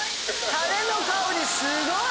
たれの香りすごい！